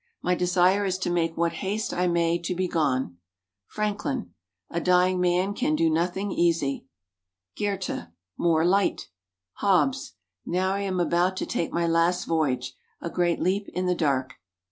"My desire is to make what haste I may to be gone." Franklin. "A dying man can do nothing easy." Goethe. "More light!" Hobbes. "Now I am about to take my last voyage a great leap in the dark."